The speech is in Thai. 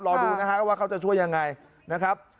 รอดูนะครับว่าเขาจะช่วยอย่างไรนะครับ